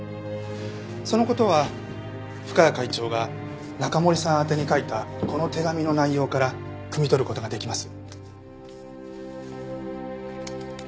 その事は深谷会長が中森さん宛てに書いたこの手紙の内容からくみ取る事ができます。